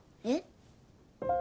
えっ？